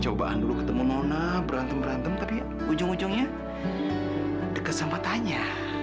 cobaan dulu ketemu nona berantem berantem tapi ujung ujungnya dekat sama tanya